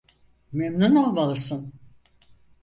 Memnun olmalısın.